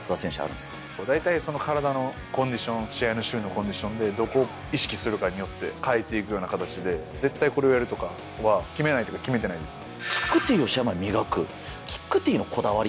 大体、体のコンディション、試合の週のコンディションでどこを意識するかによって変えていくような形で、絶対これをやるようなとか決めないというか決めてないですね。